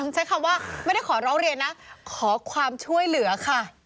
ใช้คำว่าไม่ได้ขอร้องเรียนนะขอความช่วยเหลือค่ะ